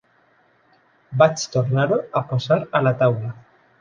Vaig tornar-ho a posar a la taula.